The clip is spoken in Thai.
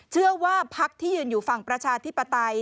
พักที่ยืนอยู่ฝั่งประชาธิปไตย